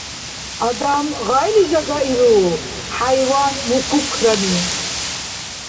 Адам гъайли жагаиру, хӀяйван — мукукрани.